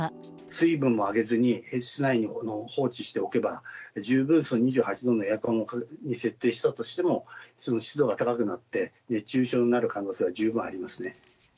水分もあげずに室内に放置しておけば、十分、２８度にエアコンを設定したとしても、湿度が高くなって、熱中症になる可能性は十分ありますね。